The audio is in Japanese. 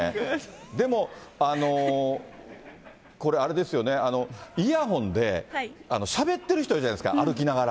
でも、これあれですよね、イヤホンでしゃべってる人いるじゃないですか、歩きながら。